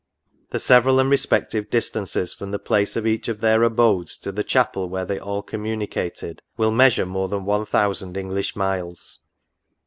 The several and respec tive distances from the place of each of their abodes to the chapel where they all communicated, will measure more than 1000 English miles.